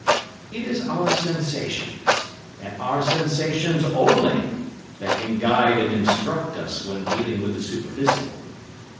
It is our sensations, and our sensations only, that can guide and instruct us when dealing with the superphysical.